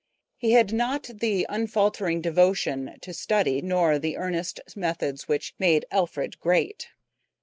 He had not the unfaltering devotion to study nor the earnest methods which made Alfred great.